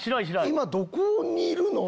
今どこにいるの？